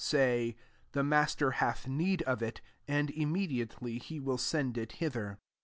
say, « TIi Master haUi need of it :' an immediately, he will send it J^ ther."